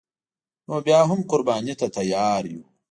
نو بیا هم قربانی ته تیار یو